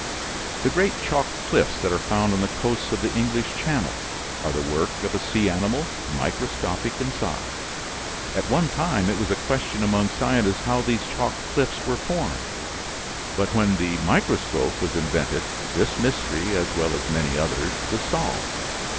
The great chalk cliffs that are found on the coasts of the English channel are the work of a sea animal microscopic in size. At one time it was a question among scientists how these chalk cliffs were formed, but when the microscope was invented this mystery, as well as many others, was solved.